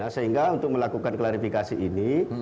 sehingga untuk melakukan klarifikasi ini